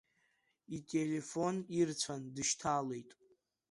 Ителефон ирцәан, дышьҭалеит.